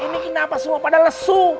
ini kenapa semua pada lesu